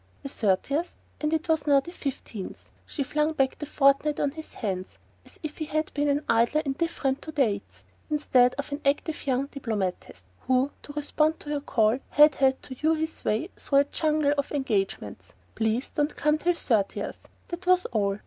The thirtieth and it was now the fifteenth! She flung back the fortnight on his hands as if he had been an idler indifferent to dates, instead of an active young diplomatist who, to respond to her call, had had to hew his way through a very jungle of engagements! "Please don't come till thirtieth." That was all.